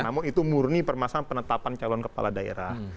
namun itu murni permasalahan penetapan calon kepala daerah